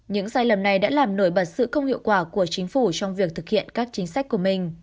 những sai lầm này đã làm nổi bật sự công hiệu quả của chính phủ trong việc thực hiện các chính sách của mình